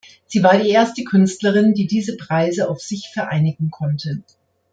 Sie war die erste Künstlerin, die diese Preise auf sich vereinigen konnte.